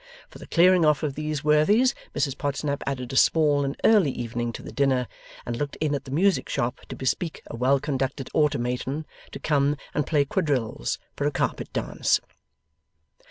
For the clearing off of these worthies, Mrs Podsnap added a small and early evening to the dinner, and looked in at the music shop to bespeak a well conducted automaton to come and play quadrilles for a carpet dance.